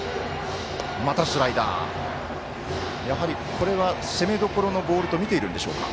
これは攻めどころのボールと見ているんでしょうか。